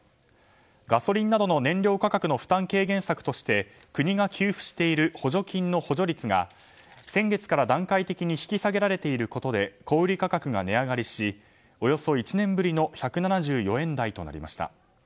ガソリンなどの燃料価格の負担軽減策として国が給付している補助金の補助率が先月から段階的に引き下げられていることで小売価格が値上がりしおよそ１年ぶりの１７４円台となりました。